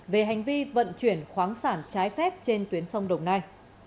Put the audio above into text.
về hành vi vận chuyển khoáng sản trái phép trên tuyến sông đồng nai